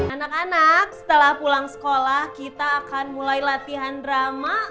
anak anak setelah pulang sekolah kita akan mulai latihan drama